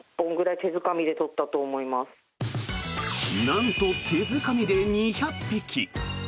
なんと、手づかみで２００匹。